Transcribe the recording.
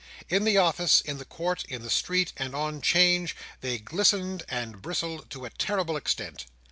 In the office, in the court, in the street, and on "Change, they glistened and bristled to a terrible extent.